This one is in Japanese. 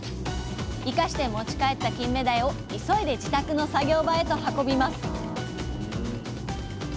生かして持ち帰ったキンメダイを急いで自宅の作業場へと運びます